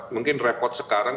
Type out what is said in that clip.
mungkin repot sekarang